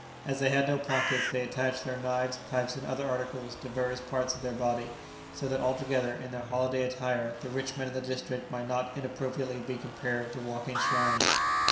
As they had no pockets, they attached their knives, pipes and other articles to various parts of their body; so that altogether, in their holiday attire, the rich men of the district might not inappropriately be compared to walking shrines.